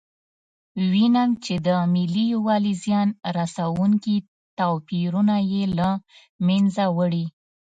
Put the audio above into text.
وینم چې د ملي یووالي زیان رسونکي توپیرونه یې له منځه وړي.